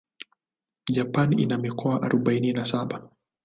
Japan ina mikoa arubaini na saba.